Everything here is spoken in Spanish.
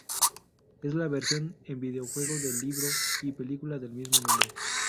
Es la versión en videojuego del libro y película del mismo nombre.